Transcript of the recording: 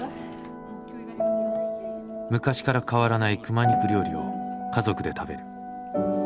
昔から変わらない熊肉料理を家族で食べる。